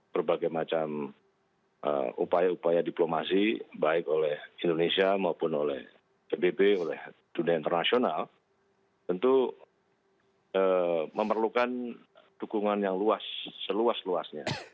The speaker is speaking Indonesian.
berbagai macam upaya upaya diplomasi baik oleh indonesia maupun oleh pbb oleh dunia internasional tentu memerlukan dukungan yang luas seluas luasnya